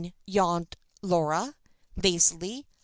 yawned Laura, lazily.